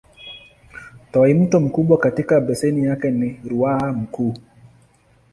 Tawimto mkubwa katika beseni yake ni Ruaha Mkuu.